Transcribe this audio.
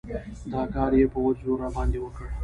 دا کار يې په وچ زور راباندې وکړ.